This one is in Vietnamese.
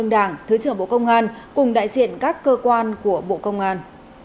đảng thứ trưởng bộ công an cùng đại diện các cơ quan của bộ công an